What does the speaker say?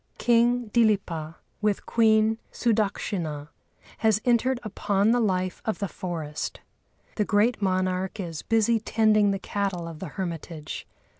King Dilipa, with Queen Sudakshinâ, has entered upon the life of the forest. The great monarch is busy tending the cattle of the hermitage.